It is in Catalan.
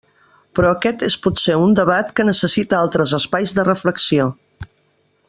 Però aquest és potser un debat que necessita altres espais de reflexió.